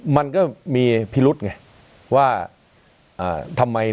มันเพราะอะไร